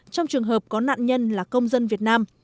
trong trường hợp có nạn nhân là công dân việt nam